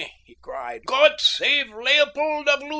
he cried. "God save Leopold of Lutha!"